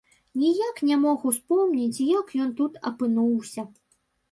Ніяк не мог успомніць, як ён тут апынуўся.